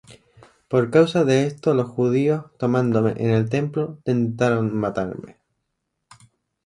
Por causa de esto los Judíos, tomándome en el templo, tentaron matarme.